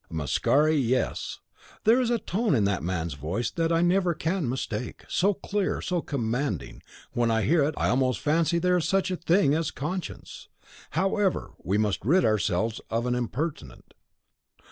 "Mascari, yes. There is a tone in that man's voice that I never can mistake; so clear, and so commanding, when I hear it I almost fancy there is such a thing as conscience. However, we must rid ourselves of an impertinent.